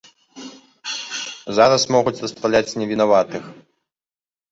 Зараз могуць расстраляць невінаватых.